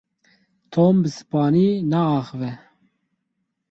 Tom bi Spanî naaxive.